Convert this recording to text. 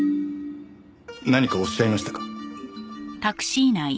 何かおっしゃいましたか？